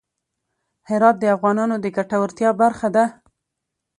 هرات د افغانانو د ګټورتیا برخه ده.